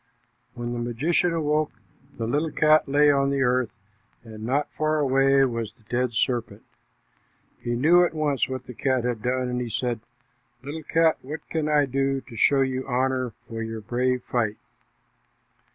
When the magician awoke, the little cat lay on the earth, and not far away was the dead serpent. He knew at once what the cat had done, and he said, "Little cat, what can I do to show you honor for your brave fight?